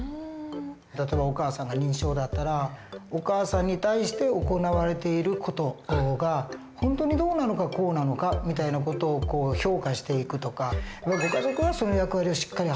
例えばお母さんが認知症だったらお母さんに対して行われている事が本当にどうなのかこうなのかみたいな事を評価していくとかご家族がその役割をしっかり果たしていくって